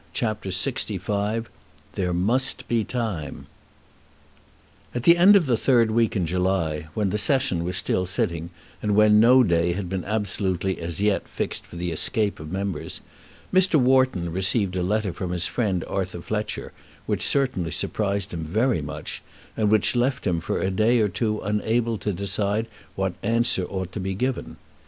CHAPTER LXV "There Must Be Time" At the end of the third week in July, when the Session was still sitting, and when no day had been absolutely as yet fixed for the escape of members, Mr. Wharton received a letter from his friend Arthur Fletcher which certainly surprised him very much, and which left him for a day or two unable to decide what answer ought to be given.